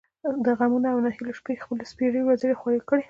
د غمـونـو او نهـيليو شـپې خپـلې سپـېرې وزرې خـورې کـړې.